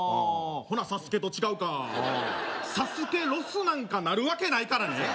ほな「ＳＡＳＵＫＥ」と違うかＳＡＳＵＫＥロスなんかなるわけないからね